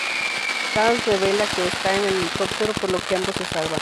Carl revela que está en el helicóptero, por lo que ambos se salvan.